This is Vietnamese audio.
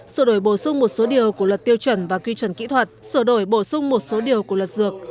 sự đổi bổ sung một số điều của luật tiêu chuẩn và quy chuẩn kỹ thuật sửa đổi bổ sung một số điều của luật dược